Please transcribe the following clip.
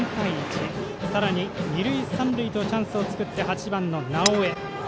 さらに二塁三塁とチャンスを作って８番の直江。